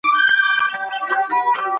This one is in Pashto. سبا ته یې مه پرېږدئ.